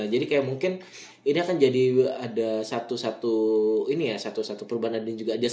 jadi kayak mungkin ini akan jadi ada satu satu perubahan dan juga adjustment yang dilakukan pacific